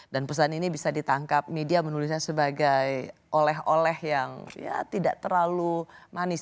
dan pesan ini bisa ditangkap media menulisnya sebagai oleh oleh yang ya tidak terlalu manis